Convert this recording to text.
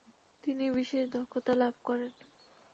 তিনি বিশেষ দক্ষতা লাভ করেন।